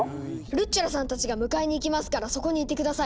ルッチョラさんたちが迎えに行きますからそこにいて下さい。